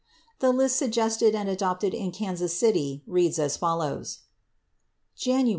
The list suggested and adopted in Kansas City reads as follows: Month.